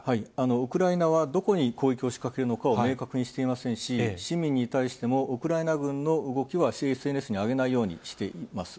ウクライナはどこに攻撃を仕掛けるのかを明確にしていませんし、市民に対してもウクライナ軍の動きはＳＮＳに上げないようにしています。